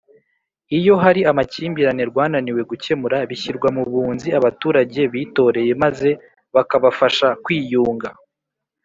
iyo hari amakimbirane rwananiwe gukemura bishyirwa mu bunzi abaturage bitoreye maze bakabafasha kwiyunga.